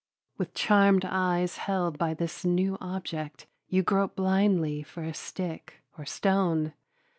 With charmed eyes held by this new object, you grope blindly for a stick or stone.